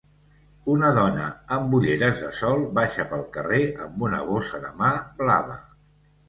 Una dona amb ulleres de sol baixa pel carrer amb una bossa de mà blava.